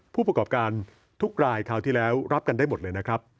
ผู้ประกอบการทุกรายคราวที่แล้วรับกันได้หมดเลยนะครับ